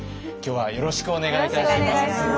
今日はよろしくお願いいたします。